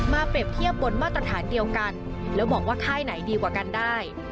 เปรียบเทียบบนมาตรฐานเดียวกันแล้วมองว่าค่ายไหนดีกว่ากันได้